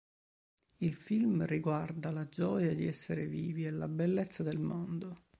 Il film riguarda la gioia di essere vivi e la bellezza del mondo".